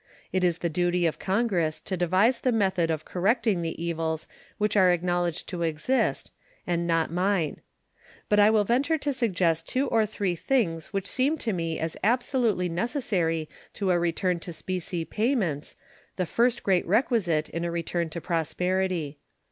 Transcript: It is the duty of Congress to devise the method of correcting the evils which are acknowledged to exist, and not mine. But I will venture to suggest two or three things which seem to me as absolutely necessary to a return to specie payments, the first great requisite in a return to prosperity.